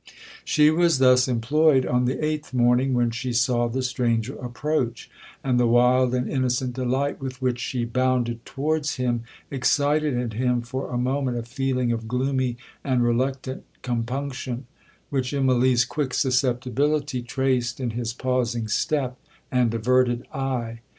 'She was thus employed on the eighth morning, when she saw the stranger approach; and the wild and innocent delight with which she bounded towards him, excited in him for a moment a feeling of gloomy and reluctant compunction, which Immalee's quick susceptibility traced in his pausing step and averted eye.